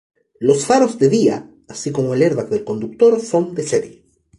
Los faros de día, así como el airbag del conductor son de serie.